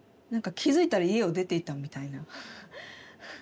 何か気付いたら家を出ていたみたいな。